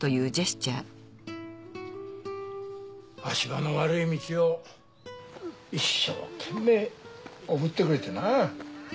足場の悪い道を一生懸命おぶってくれてなぁ。